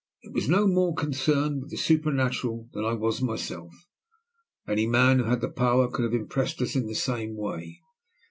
It was no more concerned with the supernatural than I was myself. Any man who had the power could have impressed us in the same way.